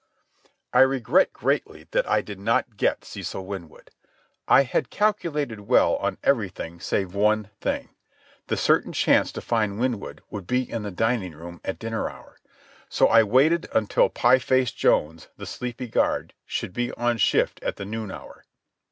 I regret greatly that I did not get Cecil Winwood. I had calculated well on everything save one thing. The certain chance to find Winwood would be in the dining room at dinner hour. So I waited until Pie Face Jones, the sleepy guard, should be on shift at the noon hour.